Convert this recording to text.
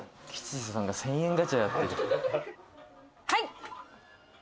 「はい！」